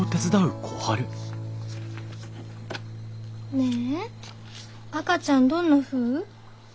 ねえ赤ちゃんどんなふう？